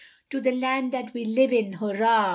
To the land that we live in hurrah!